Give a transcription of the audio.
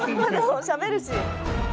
しゃべるし。